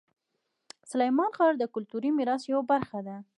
سلیمان غر د کلتوري میراث یوه برخه ده.